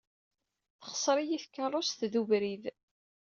Texser-iyi tkeṛṛust d ubrid.